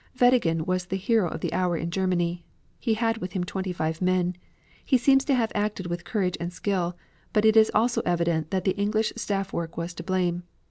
Weddigen was the hero of the hour in Germany. He had with him twenty five men. He seems to have acted with courage and skill, but it is also evident that the English staff work was to blame.